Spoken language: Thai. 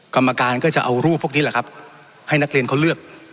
กรรมการก็จะเอารูปพวกนี้แหละครับให้นักเรียนเขาเลือก